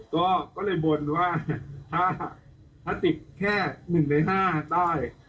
ก็เลยบ่นว่าถ้าติดแค่๑ใน๕ได้